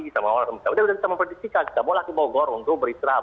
kita bawalah ke bogor untuk beristirahat